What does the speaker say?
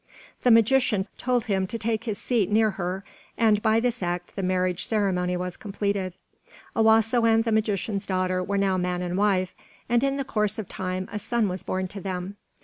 The magician told him to take his seat near her, and by this act the marriage ceremony was completed. Owasso and the magician's daughter were now man and wife, and in the course of time a son was born to them.